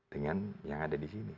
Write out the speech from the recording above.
dengan yang ada di sini